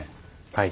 はい。